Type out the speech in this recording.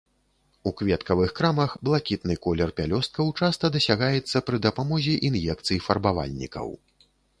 У кветкавых крамах блакітны колер пялёсткаў часта дасягаецца пры дапамозе ін'екцый фарбавальнікаў.